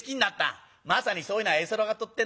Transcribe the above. まさにそういうのは絵空事ってんだ。